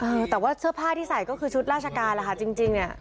เออแต่ว่าเสื้อผ้าที่ใส่ก็คือชุดราชการแหละค่ะจริงจริงเนี่ย